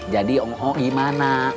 jadi oo gimana